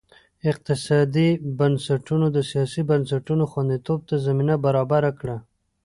اقتصادي بنسټونو د سیاسي بنسټونو خوندیتوب ته زمینه برابره کړه.